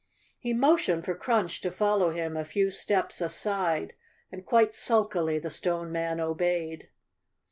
He motioned for Crunch to fol¬ low him a few steps aside and quite sulkily the Stone Man obeyed.